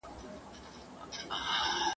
هغه وویل د خان مېرمن لنګیږي !.